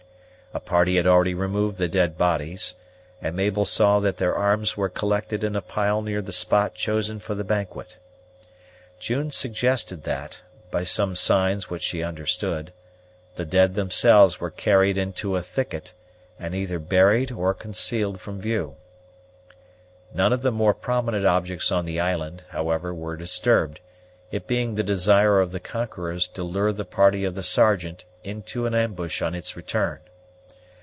A party had already removed the dead bodies, and Mabel saw that their arms were collected in a pile near the spot chosen for the banquet. June suggested that, by some signs which she understood, the dead themselves were carried into a thicket and either buried or concealed from view. None of the more prominent objects on the island, however, were disturbed, it being the desire of the conquerors to lure the party of the Sergeant into an ambush on its return.